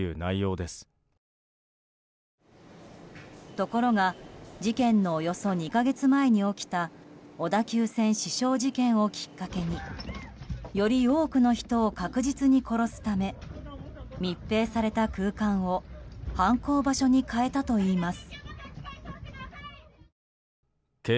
ところが事件のおよそ２か月前に起きた小田急線刺傷事件をきっかけにより多くの人を確実に殺すため密閉された空間を犯行場所に変えたといいます。